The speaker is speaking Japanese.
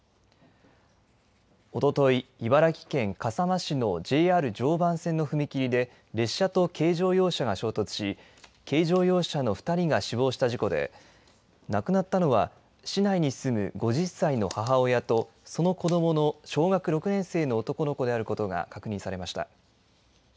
おととい、茨城県笠間市のＪＲ常磐線の踏切で、列車と軽乗用車が衝突し、軽乗用車の２人が死亡した事故で、亡くなったのは、市内に住む５０歳の母親と、その子どもの小学６年生の男の子であることが確認されました。